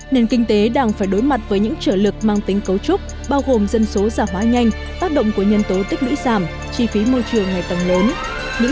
nền kinh tế đang phải đối mặt với những trở lực mang tính cấu trúc bao gồm dân số giả hóa nhanh khó khăn khó khăn khó khăn